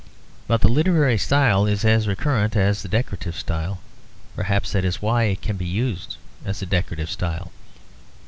But the literary style is as recurrent as the decorative style; perhaps that is why it can be used as a decorative style.